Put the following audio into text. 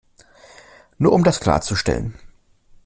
Nur um das klarzustellen.